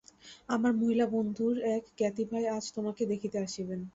আমার মহিলাবন্ধুর এক জ্ঞাতিভাই আজ আমাকে দেখিতে আসিবেন।